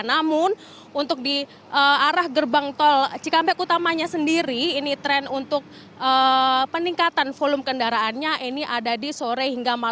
namun untuk di arah gerbang tol cikampek utamanya sendiri ini tren untuk peningkatan volume kendaraannya ini ada di sore hingga malam